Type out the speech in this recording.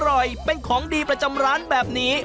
อร่อยเป็นของดีประจำร้านแบบนี้